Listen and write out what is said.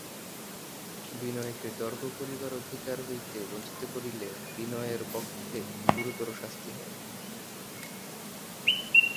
বিনয়কে তর্ক করিবার অধিকার হইতে বঞ্চিত করিলে বিনয়ের পক্ষে গুরুতর শাস্তি হয়।